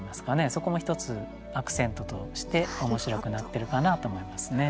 そこも一つアクセントとして面白くなってるかなと思いますね。